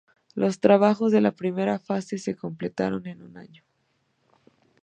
Los trabajos de la primera fase se completaron en un año.